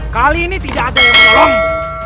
kali ini tidak ada yang mau tolongmu